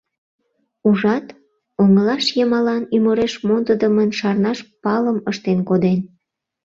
Ужат... оҥылаш йымалан ӱмыреш мондыдымын шарнаш палым ыштен коден.